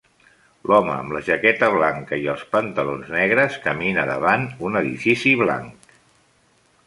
L'home amb la jaqueta blanca i els pantalons negres camina davant un edifici blanc.